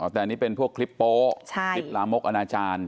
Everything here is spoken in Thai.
แต่อันนี้เป็นพวกคลิปโป๊คลิปลามกอนาจารย์